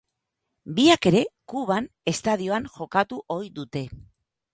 Biak ere, Kuban estadioan jokatu ohi dute.